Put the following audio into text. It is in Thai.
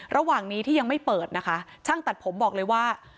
ระหว่างนี้ที่ยังไม่เปิดนะคะช่างตัดผมบอกเลยว่า